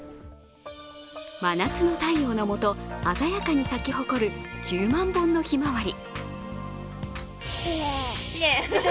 真夏の太陽のもと、鮮やかに咲き誇る１０万本のひまわり。